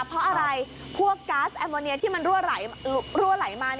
เพราะอะไรพวกก๊าซแอมโมเนียที่มันรั่วไหลมา